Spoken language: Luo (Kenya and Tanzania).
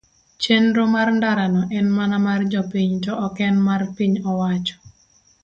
Chenro mar ndara no en mana mar jopiny to ok mar piny owacho.